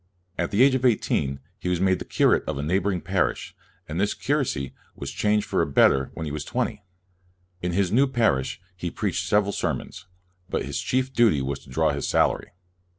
At the age of eighteen, he was made the curate of a neighboring parish, and this curacy was changed for a better when he was twenty. In his new parish, he preached several sermons, but his chief duty was to draw his salary.